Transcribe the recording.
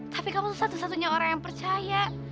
tapi kamu satu satunya orang yang percaya